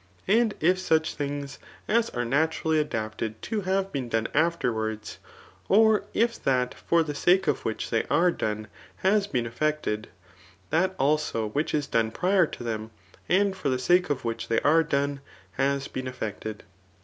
And if such things as are naturally adapted to have been done afterwards^ or if that for the sake of which they are done has been ef fected, that also which is done prior to them, and for the sake of which they are done, has been effected.